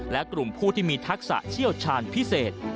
และกลุ่มผู้ที่มีทักษะเชี่ยวชาญพิเศษ